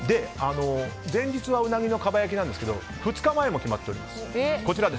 前日はウナギのかば焼きですけど２日前も決まっております。